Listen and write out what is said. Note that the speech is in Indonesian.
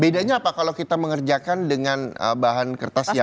bedanya apa kalau kita mengerjakan dengan bahan kertas ya